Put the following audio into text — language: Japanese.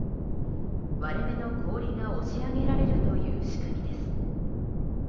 割れ目の氷が押し上げられるという仕組みです。